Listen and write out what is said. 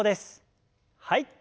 はい。